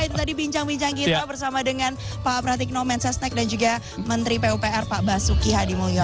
itu tadi bincang bincang kita bersama dengan pak pratikno mensesnek dan juga menteri pupr pak basuki hadimulyo